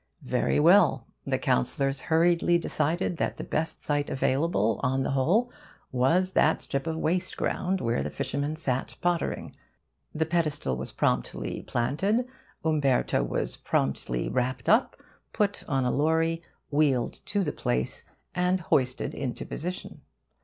Very well! The councillors hurriedly decided that the best available site, on the whole, was that strip of waste ground where the fishermen sat pottering. The pedestal was promptly planted. Umberto was promptly wrapped up, put on a lorry, wheeled to the place, and hoisted into position.